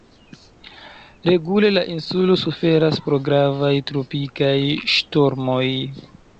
Regule la insulo suferas pro gravaj tropikaj ŝtormoj.